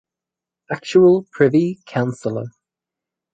Actual Privy Councillor.